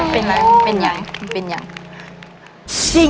เป็นยัง